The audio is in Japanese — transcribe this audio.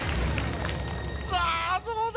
さぁどうだ？